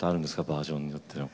バージョンによっての。